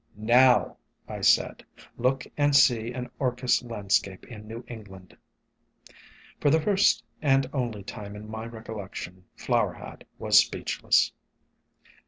"Now!" I said, "look and see an Orchis land scape in New England!" For the first and only time in my recollection, Flower Hat was speechless.